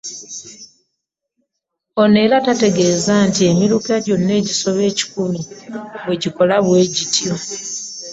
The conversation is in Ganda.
Ono era n'ategeeza nti emiruka gyonna egisoba kikumi bwe gikola bwe gityo